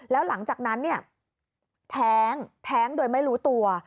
แล้วหลังจากนั้นเนี่ยแท้งแท้งโดยไม่รู้ตัว